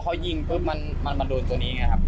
พอยิงปุ๊บมันมาโดนตัวนี้ไงครับ